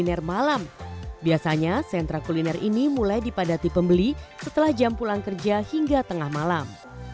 kuliner malam biasanya sentra kuliner ini mulai dipadati pembeli setelah jam pulang kerja hingga tengah malam